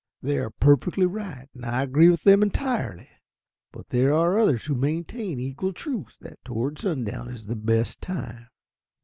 They are perfectly right, and I agree with them entirely. But there are others who maintain with equal truth that toward sundown is the best time.